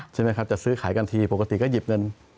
ใช่ไหมครับจะซื้อขายกันทีปกติก็หยิบเงิน